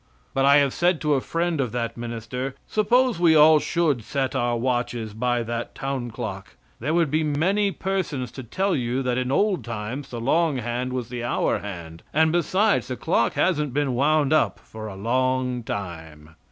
But I have said to a friend of that minister: "Suppose we all should set our watches by that town clock, there would be many persons to tell you that in old times the long hand was the hour hand, and besides, the clock hasn't been wound up for a long time."